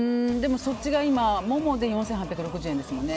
そっちが今モモで４８６０円ですもんね。